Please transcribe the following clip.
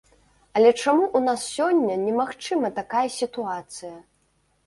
Але чаму ў нас сёння немагчыма такая сітуацыя?